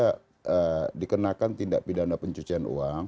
tapi ada dikenakan tindak pidana pencucian uang